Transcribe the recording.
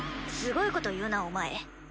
すごいこと言うなお前。